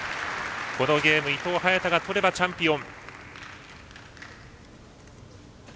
このゲーム、伊藤、早田が取ればチャンピオン。